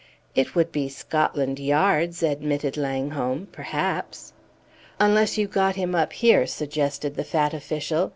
"It would be Scotland Yard's," admitted Langholm, "perhaps." "Unless you got him up here," suggested the fat official.